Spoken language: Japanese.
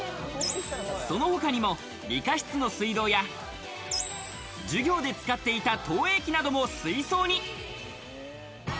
その他にも理科室の水道や授業で使っていた投影機なども水槽に。